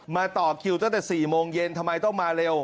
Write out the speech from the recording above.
ต่อคิวตั้งแต่๔โมงเย็นทำไมต้องมาเร็ว